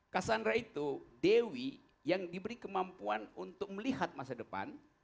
cassandra itu dewi yang diberi kemampuan untuk melihat masa depan